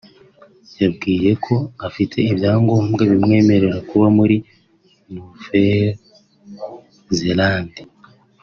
yabwiwe ko afite ibyangombwa bimwemerera kuba muri Nouvelle-Zélande